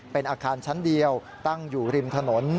เป็นอาคารชั้นเดียวตั้งอยู่ริมถนน